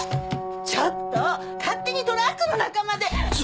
ちょっと勝手にトラックの中まで。